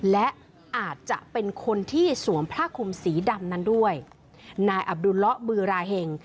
และอาจจะเป็นคนที่สวมผ้าคุมสีดำนั้นด้วยนายอับดุลละบือราเห็ง